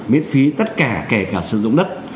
miễn phí tất cả kể cả sử dụng đất